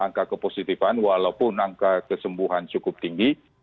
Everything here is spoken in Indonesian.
angka kepojitifan walaupun angka kesembuhan cukup tinggi